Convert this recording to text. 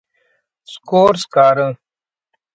سکور، سکارۀ